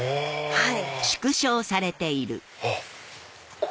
はい。